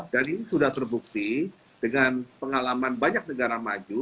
dan ini sudah terbukti dengan pengalaman banyak negara maju